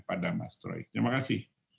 pada mas troy terima kasih